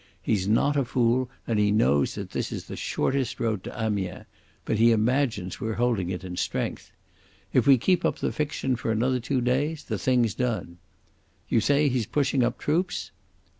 He's not a fool and he knows that this is the short road to Amiens, but he imagines we're holding it in strength. If we keep up the fiction for another two days the thing's done. You say he's pushing up troops?"